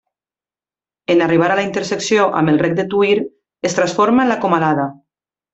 En arribar a la intersecció amb el Rec de Tuïr es transforma en la Comalada.